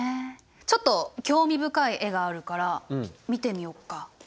ちょっと興味深い絵があるから見てみようか。